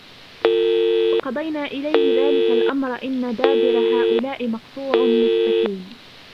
وقضينا إليه ذلك الأمر أن دابر هؤلاء مقطوع مصبحين